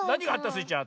スイちゃん